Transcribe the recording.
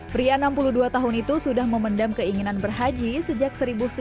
pria enam puluh dua tahun itu sudah memendam keinginan berhaji sejak seribu sembilan ratus sembilan puluh